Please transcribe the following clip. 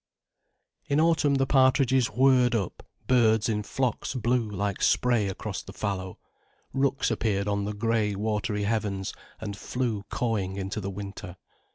In autumn the partridges whirred up, birds in flocks blew like spray across the fallow, rooks appeared on the grey, watery heavens, and flew cawing into the winter.